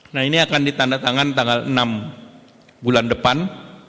nah ini akan ditandatangan tanggal enam bulan depan